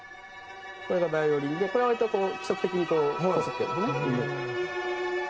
これがバイオリンでこれは割と規則的にこすってるんですね。